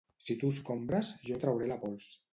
Si tu escombres jo trauré la pols